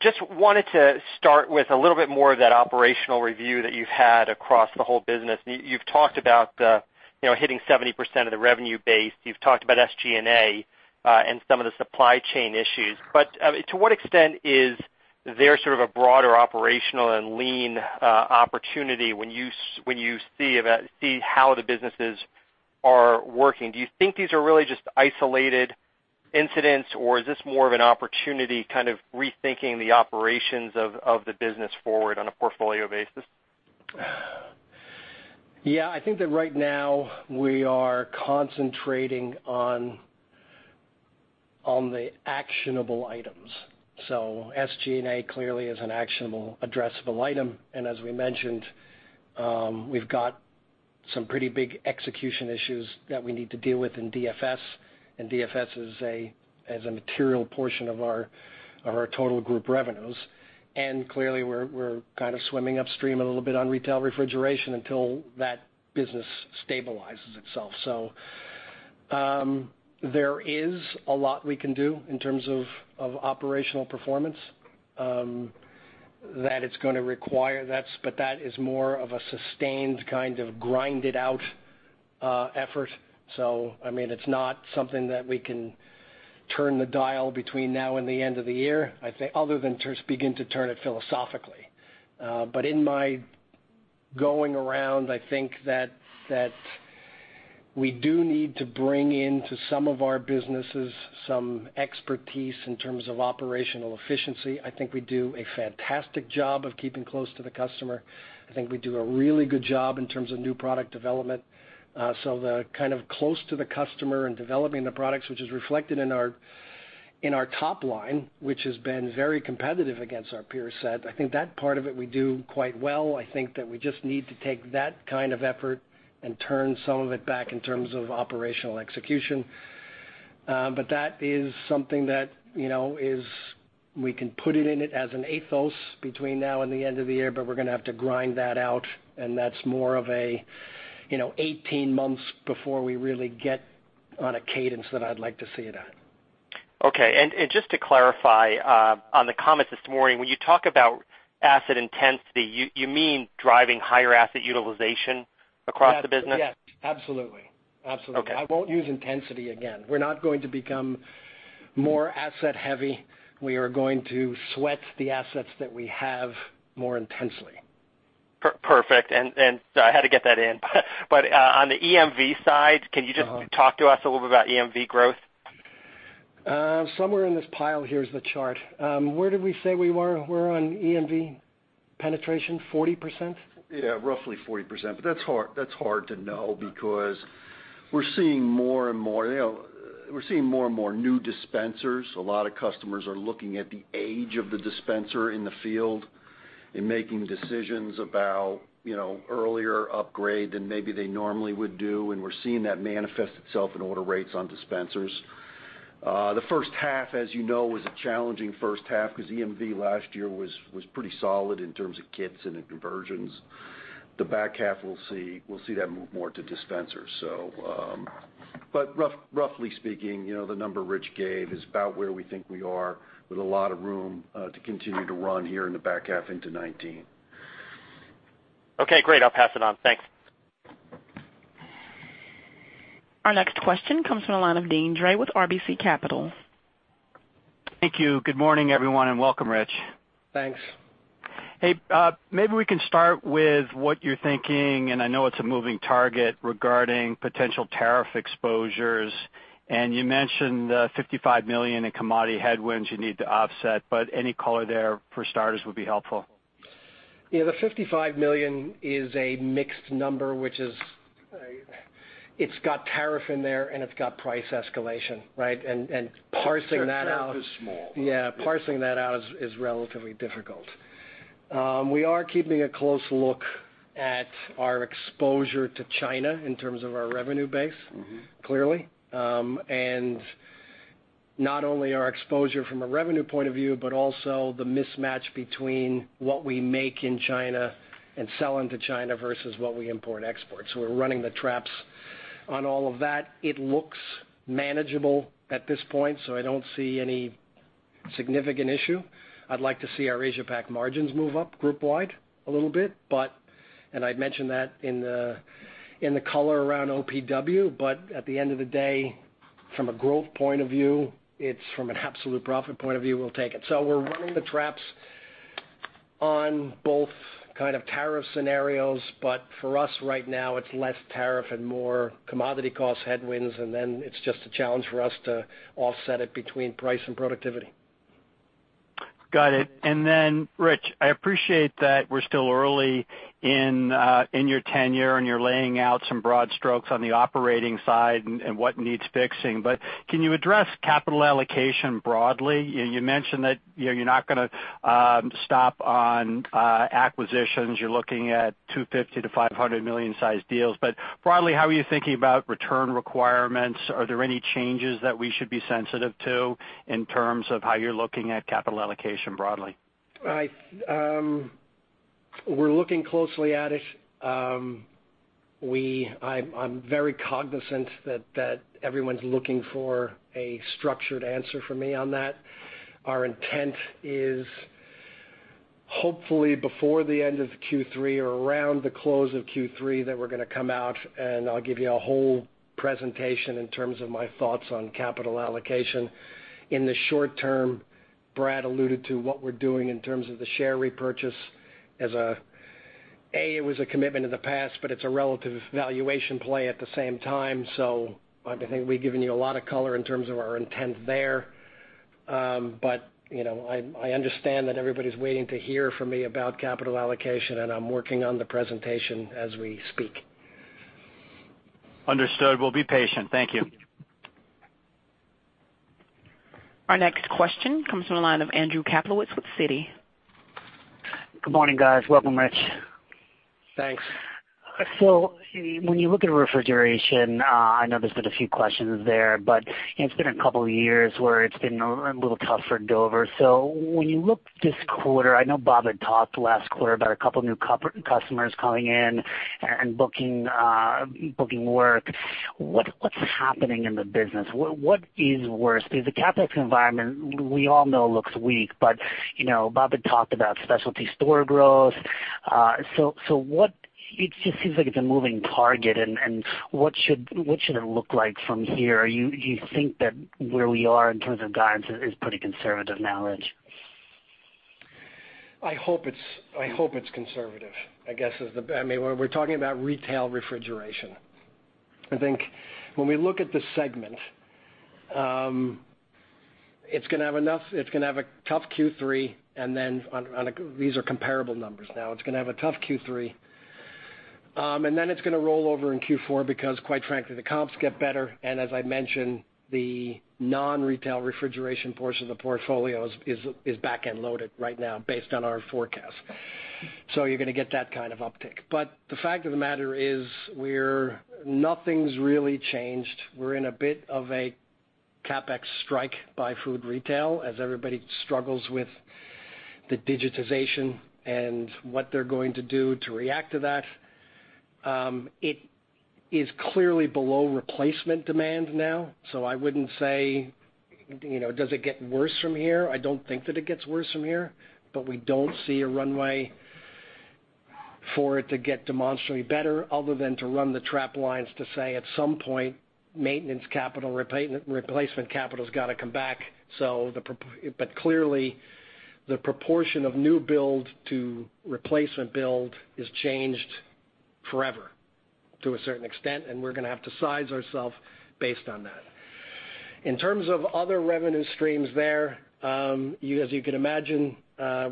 Just wanted to start with a little bit more of that operational review that you've had across the whole business. You've talked about hitting 70% of the revenue base. You've talked about SG&A and some of the supply chain issues. To what extent is there sort of a broader operational and lean opportunity when you see how the businesses are working? Do you think these are really just isolated incidents, or is this more of an opportunity kind of rethinking the operations of the business forward on a portfolio basis? Yeah, I think that right now we are concentrating on the actionable items. SG&A clearly is an actionable addressable item. As we mentioned, we've got some pretty big execution issues that we need to deal with in DFS, and DFS is a material portion of our total group revenues. Clearly, we're kind of swimming upstream a little bit on retail refrigeration until that business stabilizes itself. There is a lot we can do in terms of operational performance. That it's going to require that, but that is more of a sustained kind of grind-it-out effort. It's not something that we can turn the dial between now and the end of the year, other than to begin to turn it philosophically. In my going around, I think that we do need to bring into some of our businesses some expertise in terms of operational efficiency. I think we do a fantastic job of keeping close to the customer. I think we do a really good job in terms of new product development. The kind of close to the customer and developing the products, which is reflected in our top line, which has been very competitive against our peer set. I think that part of it we do quite well. I think that we just need to take that kind of effort and turn some of it back in terms of operational execution. That is something that we can put it in it as an ethos between now and the end of the year, but we're going to have to grind that out, and that's more of 18 months before we really get on a cadence that I'd like to see it at. Okay. Just to clarify on the comments this morning, when you talk about asset intensity, you mean driving higher asset utilization across the business? Yes, absolutely. Okay. I won't use intensity again. We're not going to become more asset heavy. We are going to sweat the assets that we have more intensely. Perfect. I had to get that in. On the EMV side, can you just talk to us a little bit about EMV growth? Somewhere in this pile here is the chart. Where did we say we were on EMV penetration? 40%? Yeah, roughly 40%, that's hard to know because we're seeing more and more new dispensers. A lot of customers are looking at the age of the dispenser in the field and making decisions about earlier upgrade than maybe they normally would do, and we're seeing that manifest itself in order rates on dispensers. The first half, as you know, was a challenging first half because EMV last year was pretty solid in terms of kits and in conversions. The back half, we'll see that move more to dispensers. Roughly speaking, the number Rich gave is about where we think we are with a lot of room to continue to run here in the back half into 2019. Okay, great. I'll pass it on. Thanks. Our next question comes from the line of Deane Dray with RBC Capital. Thank you. Good morning, everyone, welcome, Rich. Thanks. maybe we can start with what you're thinking, I know it's a moving target regarding potential tariff exposures. You mentioned the $55 million in commodity headwinds you need to offset, any color there for starters would be helpful. Yeah, the $55 million is a mixed number, which is, it's got tariff in there, and it's got price escalation, right? Parsing that out The tariff is small. Yeah. Parsing that out is relatively difficult. We are keeping a close look at our exposure to China in terms of our revenue base. Clearly. Not only our exposure from a revenue point of view, but also the mismatch between what we make in China and sell into China versus what we import export. We're running the traps on all of that. It looks manageable at this point, so I don't see any significant issue. I'd like to see our Asia Pac margins move up group wide a little bit. I'd mentioned that in the color around OPW, but at the end of the day, from a growth point of view, it's from an absolute profit point of view, we'll take it. We're running the traps on both kind of tariff scenarios, but for us right now, it's less tariff and more commodity cost headwinds, and then it's just a challenge for us to offset it between price and productivity. Got it. Rich, I appreciate that we're still early in your tenure, and you're laying out some broad strokes on the operating side and what needs fixing. Can you address capital allocation broadly? You mentioned that you're not gonna stop on acquisitions. You're looking at $250 million-$500 million size deals. Broadly, how are you thinking about return requirements? Are there any changes that we should be sensitive to in terms of how you're looking at capital allocation broadly? We're looking closely at it. I'm very cognizant that everyone's looking for a structured answer from me on that. Our intent is hopefully before the end of Q3 or around the close of Q3 that we're gonna come out, and I'll give you a whole presentation in terms of my thoughts on capital allocation. In the short term, Brad alluded to what we're doing in terms of the share repurchase as it was a commitment in the past, but it's a relative valuation play at the same time. I think we've given you a lot of color in terms of our intent there. I understand that everybody's waiting to hear from me about capital allocation, and I'm working on the presentation as we speak. Understood. We'll be patient. Thank you. Our next question comes from the line of Andrew Kaplowitz with Citi. Good morning, guys. Welcome, Rich. Thanks. When you look at refrigeration, I know there's been a few questions there, but it's been a couple of years where it's been a little tough for Dover. When you look this quarter, I know Bob had talked last quarter about a couple new customers coming in and booking work. What's happening in the business? What is worse? Because the capital environment we all know looks weak, but Bob had talked about specialty store growth. It just seems like it's a moving target and what should it look like from here? Do you think that where we are in terms of guidance is pretty conservative now, Rich? I hope it's conservative, I guess. We're talking about retail refrigeration. I think when we look at the segment, it's gonna have a tough Q3, and then these are comparable numbers now. It's gonna have a tough Q3, and then it's gonna roll over in Q4 because quite frankly, the comps get better, as I mentioned, the non-retail refrigeration portion of the portfolio is back-end loaded right now based on our forecast. You're gonna get that kind of uptick. The fact of the matter is nothing's really changed. We're in a bit of a CapEx strike by food retail as everybody struggles with the digitization and what they're going to do to react to that. It is clearly below replacement demand now. I wouldn't say does it get worse from here? I don't think that it gets worse from here, we don't see a runway for it to get demonstrably better other than to run the trap lines to say at some point, maintenance capital, replacement capital's got to come back. Clearly, the proportion of new build to replacement build is changed forever to a certain extent, and we're gonna have to size ourself based on that. In terms of other revenue streams there, as you can imagine,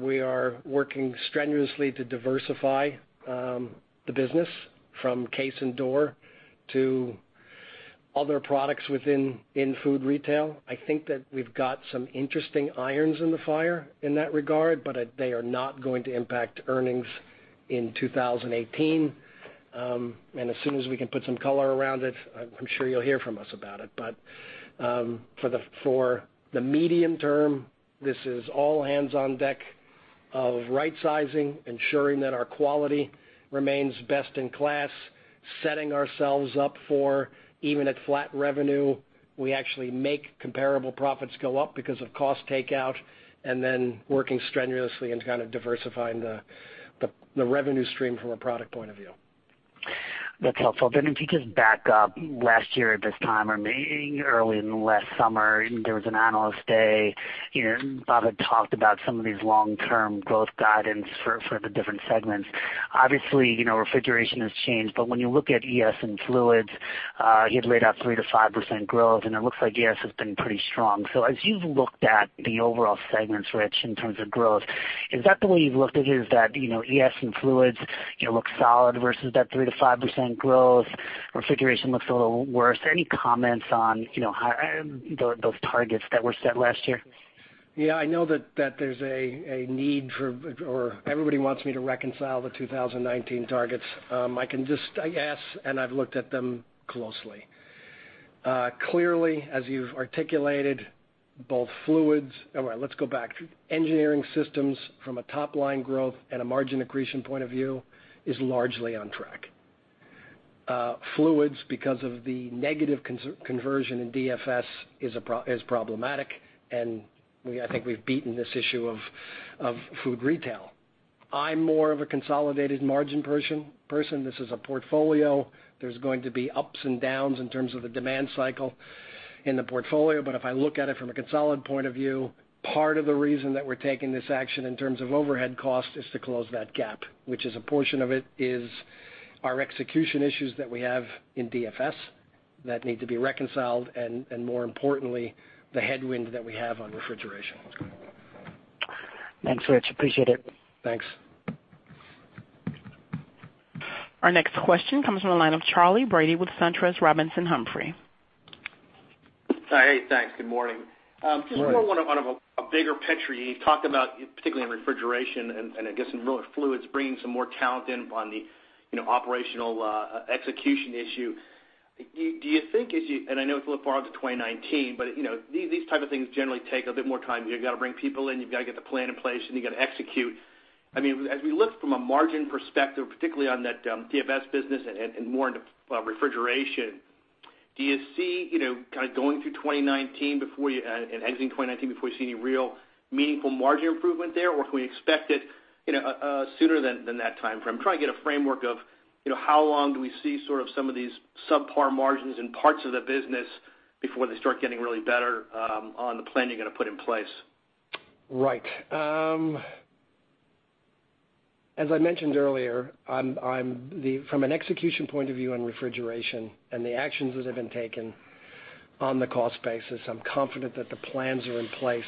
we are working strenuously to diversify the business from case and door to other products within in-food retail. I think that we've got some interesting irons in the fire in that regard, but they are not going to impact earnings in 2018. As soon as we can put some color around it, I'm sure you'll hear from us about it. For the medium term, this is all hands on deck of right sizing, ensuring that our quality remains best in class, setting ourselves up for even at flat revenue, we actually make comparable profits go up because of cost takeout, working strenuously in kind of diversifying the revenue stream from a product point of view. That's helpful. If you just back up last year at this time, or maybe early in the last summer, there was an Analyst Day. Bob had talked about some of these long-term growth guidance for the different segments. Obviously, refrigeration has changed. When you look at ES and Fluids, you had laid out 3%-5% growth, it looks like ES has been pretty strong. As you've looked at the overall segments, Rich, in terms of growth, is that the way you've looked at is that ES and Fluids look solid versus that 3%-5% growth? Refrigeration looks a little worse. Any comments on those targets that were set last year? I know that there's a need for, or everybody wants me to reconcile the 2019 targets. I can just, I guess, and I've looked at them closely. Clearly, as you've articulated both Fluids All right, let's go back. Engineered Systems from a top-line growth and a margin accretion point of view is largely on track. Fluids, because of the negative conversion in DFS, is problematic, and I think we've beaten this issue of food retail. I'm more of a consolidated margin person. This is a portfolio. There's going to be ups and downs in terms of the demand cycle in the portfolio. If I look at it from a consolidated point of view, part of the reason that we're taking this action in terms of overhead cost is to close that gap, which is a portion of it is our execution issues that we have in DFS that need to be reconciled, and more importantly, the headwind that we have on refrigeration. Thanks, Rich. Appreciate it. Thanks. Our next question comes from the line of Charley Brady with SunTrust Robinson Humphrey. Hi. Thanks. Good morning. Right. Just more one of a bigger picture. You talked about, particularly in refrigeration and I guess in Fluids, bringing some more talent in on the operational execution issue. Do you think as you, and I know it's a little far out to 2019, but these type of things generally take a bit more time. You've got to bring people in, you've got to get the plan in place, and you've got to execute. As we look from a margin perspective, particularly on that DFS business and more into refrigeration, do you see kind of going through 2019 and exiting 2019 before you see any real meaningful margin improvement there? Or can we expect it sooner than that timeframe? I'm trying to get a framework of how long do we see sort of some of these subpar margins in parts of the business before they start getting really better on the plan you're going to put in place? Right. As I mentioned earlier, from an execution point of view on refrigeration and the actions that have been taken on the cost basis, I'm confident that the plans are in place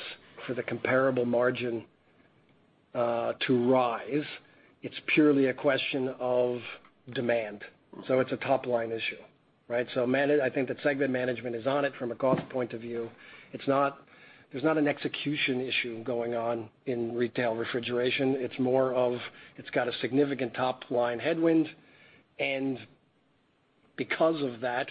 for the comparable margin to rise. It's purely a question of demand. It's a top-line issue, right? I think that segment management is on it from a cost point of view. There's not an execution issue going on in retail refrigeration. It's more of, it's got a significant top-line headwind, and because of that,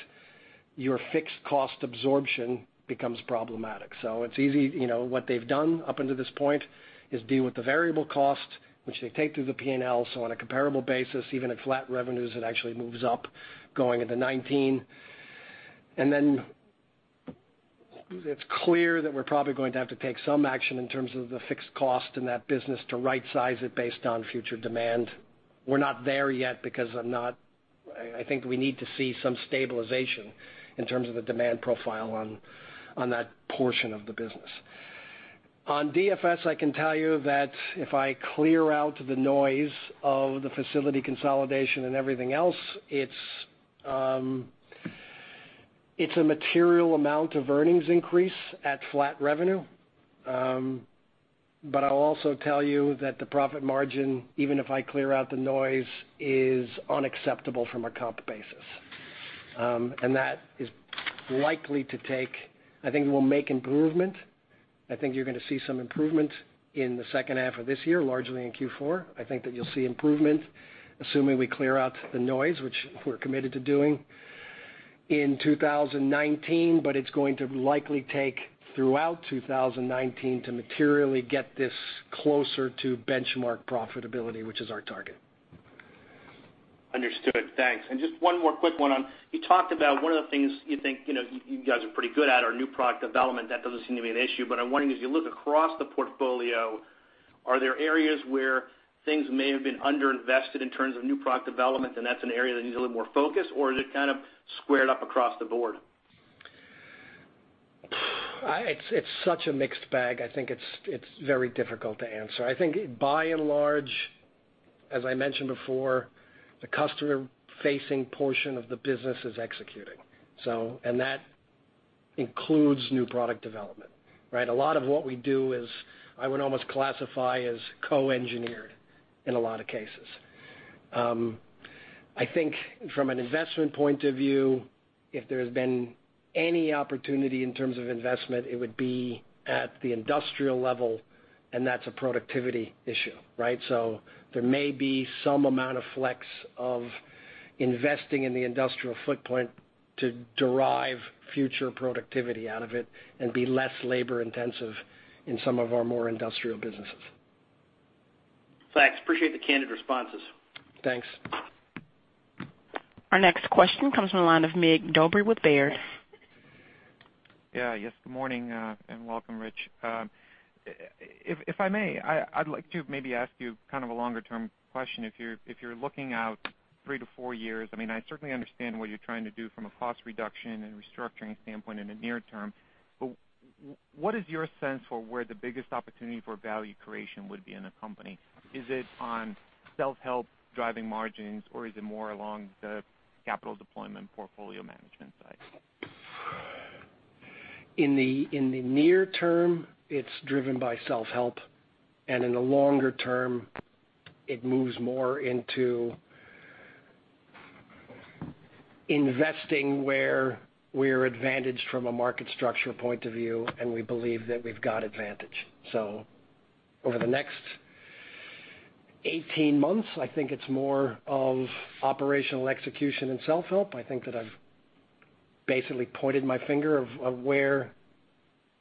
your fixed cost absorption becomes problematic. It's easy. What they've done up until this point is deal with the variable cost, which they take through the P&L. On a comparable basis, even at flat revenues, it actually moves up going into 2019. It's clear that we're probably going to have to take some action in terms of the fixed cost in that business to rightsize it based on future demand. We're not there yet because I think we need to see some stabilization in terms of the demand profile on that portion of the business. On DFS, I can tell you that if I clear out the noise of the facility consolidation and everything else, it's a material amount of earnings increase at flat revenue. I'll also tell you that the profit margin, even if I clear out the noise, is unacceptable from a comp basis. That is likely to take, I think we'll make improvement. I think you're going to see some improvement in the second half of this year, largely in Q4. I think that you'll see improvement, assuming we clear out the noise, which we're committed to doing in 2019. It's going to likely take throughout 2019 to materially get this closer to benchmark profitability, which is our target. Understood. Thanks. Just one more quick one on, you talked about one of the things you think you guys are pretty good at are new product development. That doesn't seem to be an issue. I'm wondering, as you look across the portfolio, are there areas where things may have been under-invested in terms of new product development, and that's an area that needs a little more focus, or is it kind of squared up across the board? It's such a mixed bag. I think it's very difficult to answer. I think by and large, as I mentioned before, the customer-facing portion of the business is executing, and that includes new product development, right? A lot of what we do is I would almost classify as co-engineered in a lot of cases. I think from an investment point of view, if there's been any opportunity in terms of investment, it would be at the industrial level, and that's a productivity issue, right? There may be some amount of flex of investing in the industrial footprint to derive future productivity out of it and be less labor-intensive in some of our more industrial businesses. Thanks. Appreciate the candid responses. Thanks. Our next question comes from the line of Mircea Dobre with Baird. Yeah. Yes. Good morning, and welcome, Rich. If I may, I'd like to maybe ask you kind of a longer-term question. If you're looking out three to four years, I certainly understand what you're trying to do from a cost reduction and restructuring standpoint in the near term, what is your sense for where the biggest opportunity for value creation would be in the company? Is it on self-help driving margins, or is it more along the capital deployment portfolio management side? In the near term, it's driven by self-help, in the longer term, it moves more into investing where we're advantaged from a market structure point of view, and we believe that we've got advantage. Over the next 18 months, I think it's more of operational execution and self-help. I think that I've basically pointed my finger of where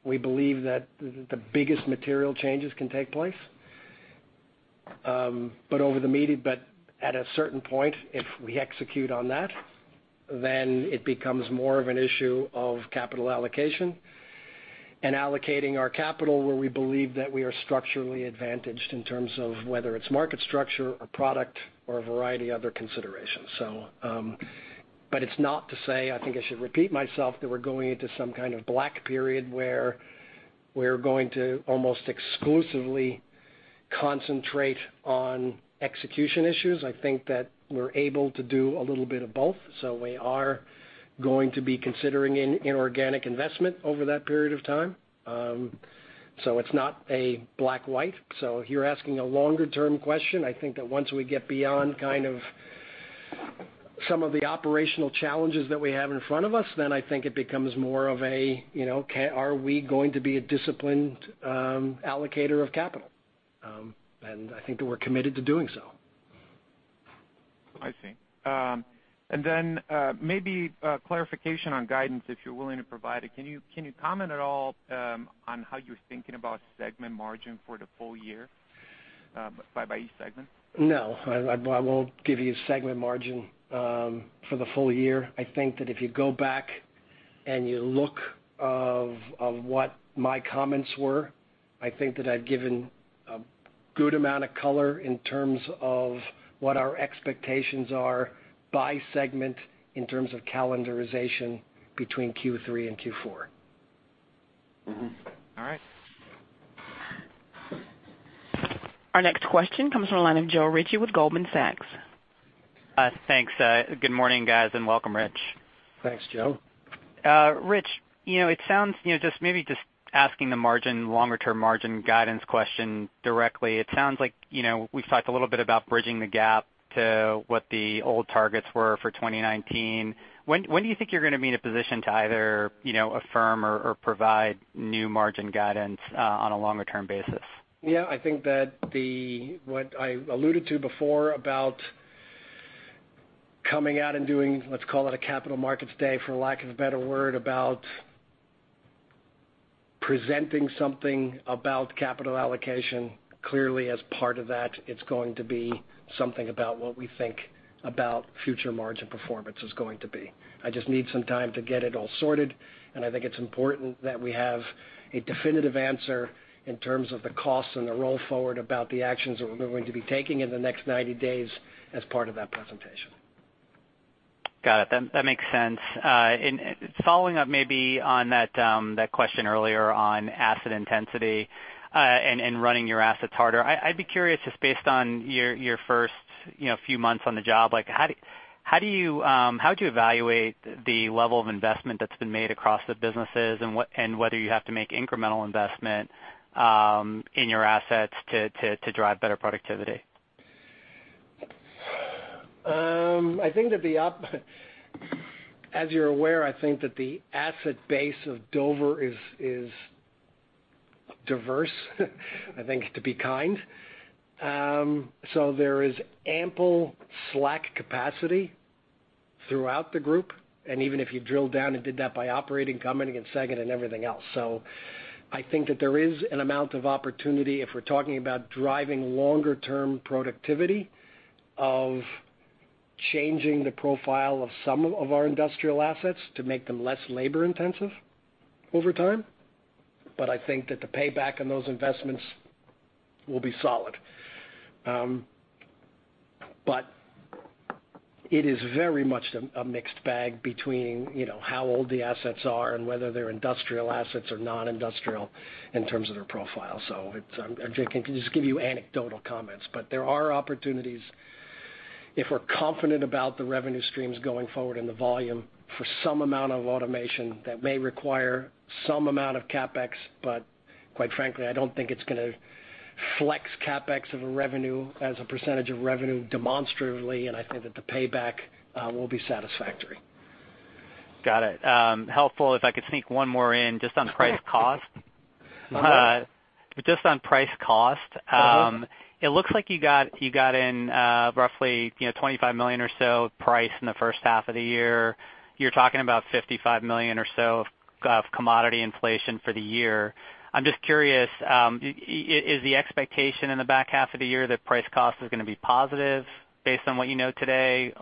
we believe that the biggest material changes can take place. At a certain point, if we execute on that, it becomes more of an issue of capital allocation and allocating our capital where we believe that we are structurally advantaged in terms of whether it's market structure or product or a variety of other considerations. It's not to say, I think I should repeat myself, that we're going into some kind of black period where we're going to almost exclusively concentrate on execution issues. I think that we're able to do a little bit of both. We are going to be considering inorganic investment over that period of time. It's not a black/white. If you're asking a longer-term question, I think that once we get beyond kind of some of the operational challenges that we have in front of us, I think it becomes more of a, are we going to be a disciplined allocator of capital? I think that we're committed to doing so. I see. Maybe a clarification on guidance, if you're willing to provide it. Can you comment at all on how you're thinking about segment margin for the full year by each segment? No. I won't give you segment margin for the full year. I think that if you go back and you look of what my comments were, I think that I've given a good amount of color in terms of what our expectations are by segment in terms of calendarization between Q3 and Q4. All right. Our next question comes from the line of Joe Ritchie with Goldman Sachs. Thanks. Good morning, guys, and welcome, Rich. Thanks, Joe. Rich, maybe just asking the longer-term margin guidance question directly, it sounds like we've talked a little bit about bridging the gap to what the old targets were for 2019. When do you think you're going to be in a position to either affirm or provide new margin guidance on a longer-term basis? Yeah, I think that what I alluded to before about coming out and doing, let's call it a capital markets day, for lack of a better word, about presenting something about capital allocation. Clearly, as part of that, it's going to be something about what we think about future margin performance is going to be. I just need some time to get it all sorted, and I think it's important that we have a definitive answer in terms of the costs and the roll forward about the actions that we're going to be taking in the next 90 days as part of that presentation. Got it. That makes sense. Following up maybe on that question earlier on asset intensity and running your assets harder, I'd be curious, just based on your first few months on the job, how do you evaluate the level of investment that's been made across the businesses and whether you have to make incremental investment in your assets to drive better productivity? As you're aware, I think that the asset base of Dover is diverse, I think, to be kind. There is ample slack capacity throughout the group, and even if you drill down and did that by operating company and segment and everything else. I think that there is an amount of opportunity if we're talking about driving longer-term productivity of changing the profile of some of our industrial assets to make them less labor-intensive over time. I think that the payback on those investments will be solid. It is very much a mixed bag between how old the assets are and whether they're industrial assets or non-industrial in terms of their profile. I can just give you anecdotal comments. There are opportunities if we're confident about the revenue streams going forward and the volume for some amount of automation that may require some amount of CapEx, but quite frankly, I don't think it's going to flex CapEx as a % of revenue demonstratively, and I think that the payback will be satisfactory. Got it. Helpful. If I could sneak one more in, just on price cost. Just on price cost- It looks like you got in roughly $25 million or so price in the first half of the year. You're talking about $55 million or so of commodity inflation for the year. I'm just curious, is the expectation in the back half of the year that price cost is going to be positive based on what you know today,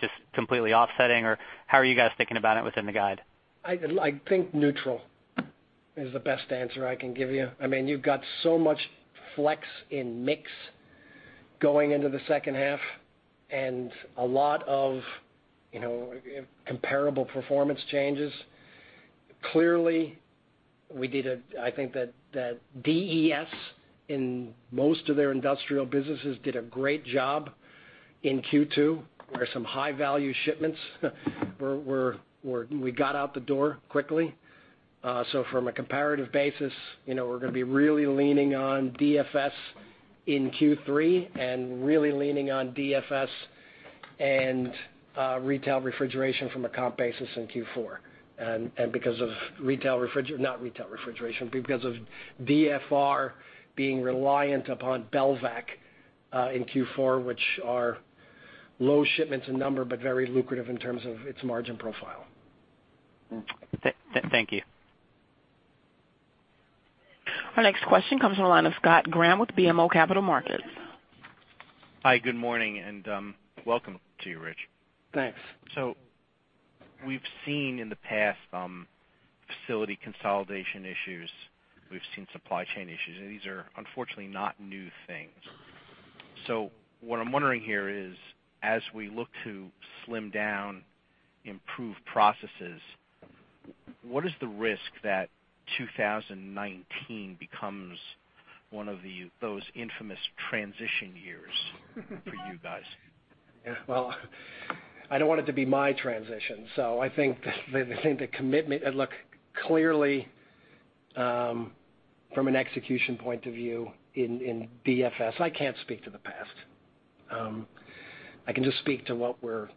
just completely offsetting, or how are you guys thinking about it within the guide? I think neutral is the best answer I can give you. You've got so much flex in mix going into the second half and a lot of comparable performance changes. Clearly, I think that DES in most of their industrial businesses did a great job in Q2, where some high-value shipments, we got out the door quickly. From a comparative basis, we're going to be really leaning on DFS in Q3 and really leaning on DFS and retail refrigeration from a comp basis in Q4. Because of DFR being reliant upon Belvac in Q4, which are low shipments in number, but very lucrative in terms of its margin profile. Thank you. Our next question comes from the line of Scott Graham with BMO Capital Markets. Hi, good morning, and welcome to you, Rich. Thanks. We've seen in the past, facility consolidation issues, we've seen supply chain issues, and these are unfortunately not new things. What I'm wondering here is, as we look to slim down, improve processes, what is the risk that 2019 becomes one of those infamous transition years for you guys? Well, I don't want it to be my transition. I think the commitment-- Look, clearly, from an execution point of view in DFS, I can't speak to the past. I can just speak to what we're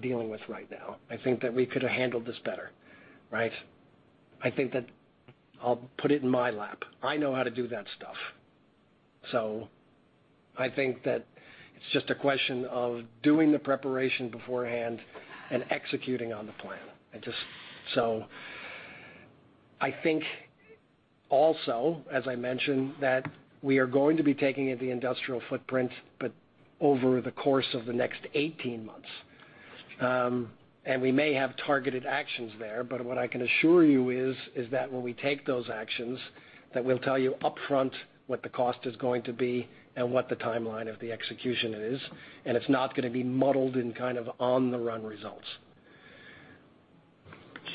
dealing with right now. I think that we could have handled this better, right? I think that I'll put it in my lap. I know how to do that stuff. I think that it's just a question of doing the preparation beforehand and executing on the plan. I think also, as I mentioned, that we are going to be taking the industrial footprint, but over the course of the next 18 months. We may have targeted actions there, but what I can assure you is that when we take those actions, we'll tell you upfront what the cost is going to be and what the timeline of the execution is, and it's not going to be muddled in kind of on-the-run results.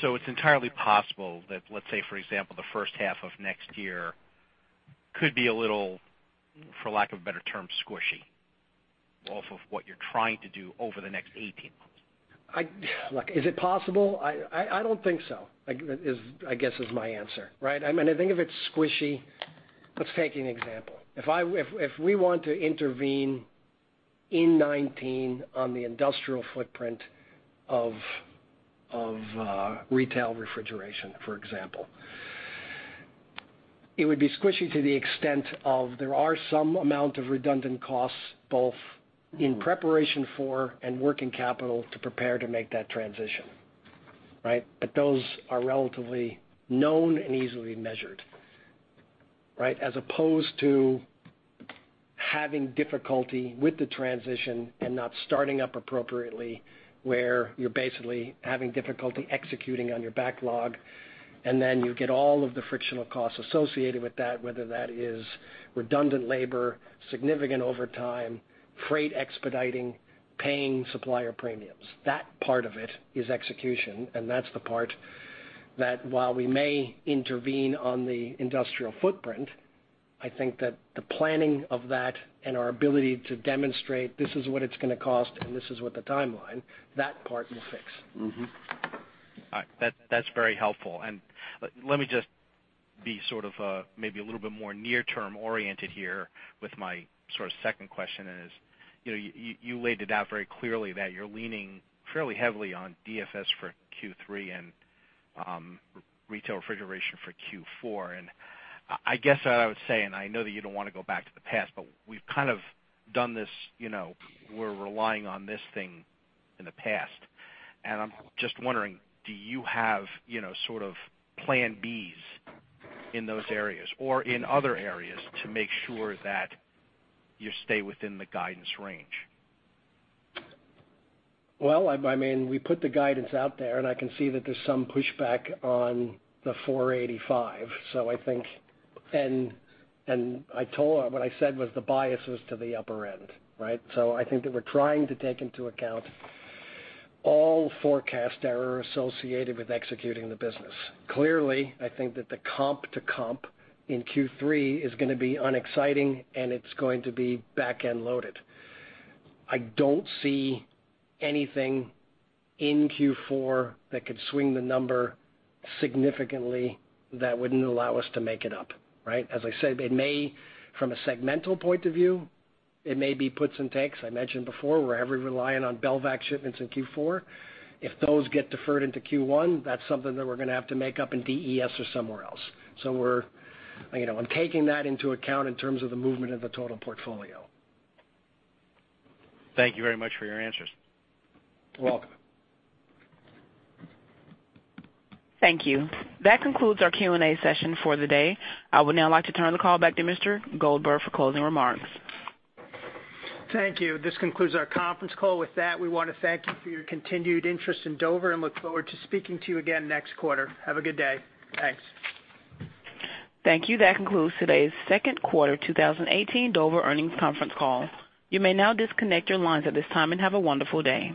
It's entirely possible that, let's say, for example, the first half of next year could be a little, for lack of a better term, squishy off of what you're trying to do over the next 18 months. Look, is it possible? I don't think so. I guess is my answer, right? To think if it's squishy, let's take an example. If we want to intervene in 2019 on the industrial footprint of retail refrigeration, for example. It would be squishy to the extent of there are some amount of redundant costs both in preparation for and working capital to prepare to make that transition. Right? Those are relatively known and easily measured. Right? As opposed to having difficulty with the transition and not starting up appropriately, where you're basically having difficulty executing on your backlog, and then you get all of the frictional costs associated with that, whether that is redundant labor, significant overtime, freight expediting, paying supplier premiums. That part of it is execution, and that's the part that while we may intervene on the industrial footprint, I think that the planning of that and our ability to demonstrate this is what it's going to cost and this is what the timeline, that part we'll fix. All right. That's very helpful. Let me just be sort of maybe a little bit more near-term oriented here with my second question is, you laid it out very clearly that you're leaning fairly heavily on DFS for Q3 and retail refrigeration for Q4. I guess what I would say, and I know that you don't want to go back to the past, but we've kind of done this, we're relying on this thing in the past. I'm just wondering, do you have sort of plan Bs in those areas or in other areas to make sure that you stay within the guidance range? Well, we put the guidance out there, I can see that there's some pushback on the 485. What I said was the bias is to the upper end, right? I think that we're trying to take into account all forecast error associated with executing the business. Clearly, I think that the comp to comp in Q3 is going to be unexciting and it's going to be back-end loaded. I don't see anything in Q4 that could swing the number significantly that wouldn't allow us to make it up, right? As I said, from a segmental point of view, it may be puts and takes. I mentioned before, we're heavily reliant on Belvac shipments in Q4. If those get deferred into Q1, that's something that we're going to have to make up in DFS or somewhere else. I'm taking that into account in terms of the movement of the total portfolio. Thank you very much for your answers. You're welcome. Thank you. That concludes our Q&A session for the day. I would now like to turn the call back to Mr. Goldberg for closing remarks. Thank you. This concludes our conference call. With that, we want to thank you for your continued interest in Dover and look forward to speaking to you again next quarter. Have a good day. Thanks. Thank you. That concludes today's second quarter 2018 Dover Earnings Conference Call. You may now disconnect your lines at this time and have a wonderful day.